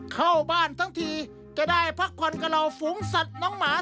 เข้าบ้านทั้งทีจะได้พักผ่อนกับเราฝูงสัตว์น้องหมา